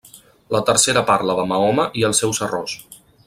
La tercera parla de Mahoma i els seus errors.